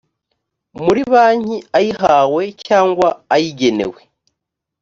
muri banki ayihawe cyangwa ayigenewe